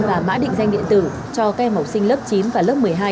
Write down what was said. và mã định danh điện tử cho các em học sinh lớp chín và lớp một mươi hai